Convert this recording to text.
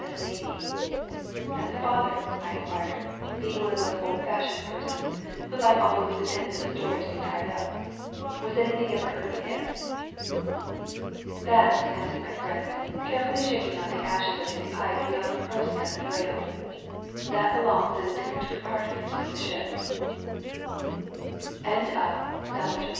S. Navee." "And the father?" I inquired, being one of those old fashioned persons who like all the loose ends of a story to be tied up. "Was anything ever heard of him?" "That," answered my friend, carefully shaking out the ashes of his pipe beyond the crow's nest rail, "that belongs in a different